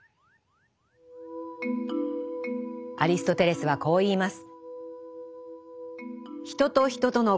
アリストテレスはこう言います。